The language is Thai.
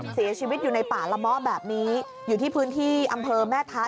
เสียชีวิตอยู่ในป่าละเมาะแบบนี้อยู่ที่พื้นที่อำเภอแม่ทะ